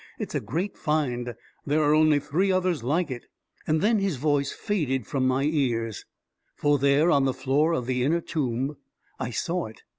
It's a great find — there are only three others like it ..•" And then his voice faded from my ears, for there, on the floor of the inner tomb, I saw it